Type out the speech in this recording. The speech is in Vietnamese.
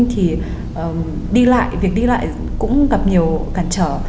thì đi lại việc đi lại cũng gặp nhiều cản trở